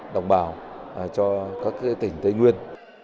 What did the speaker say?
đồng bào cho các tỉnh tây nguyên